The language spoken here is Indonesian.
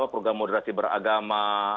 program moderasi beragama